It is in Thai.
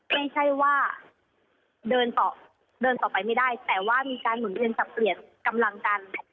ไม่ใช่ว่าเดินต่อเดินต่อไปไม่ได้แต่ว่ามีการหมุนเวียนสับเปลี่ยนกำลังกัน